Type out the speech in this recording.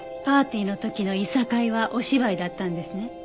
パーティーの時の諍いはお芝居だったんですね？